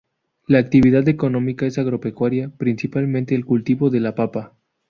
La actividad económica es agropecuaria, principalmente el cultivo de la papa.